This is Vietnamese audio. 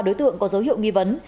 các đối tượng có dấu hiệu nghi vấn